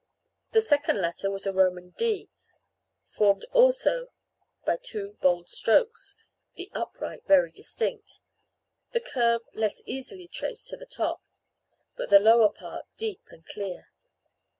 The second letter was a Roman D, formed also by two bold strokes, the upright very distinct, the curve less easily traced at the top, but the lower part deep and clear.